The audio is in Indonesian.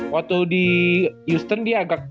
waktu di houston dia agak